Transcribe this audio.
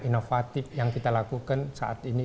inovatif yang kita lakukan saat ini